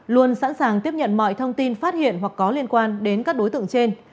luôn sẵn sàng tiếp nhận mọi thông tin phát hiện hoặc có liên quan đến các đối tượng trên